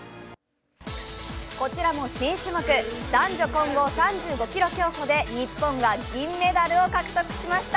こちらも新種目男子混合３５ｋｍ競歩で日本が銀メダルを獲得しました。